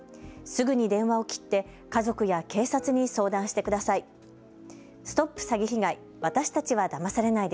すぐに電話を切って家族や警察に相談してください。